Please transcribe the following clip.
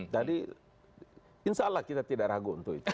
jadi insya allah kita tidak ragu untuk itu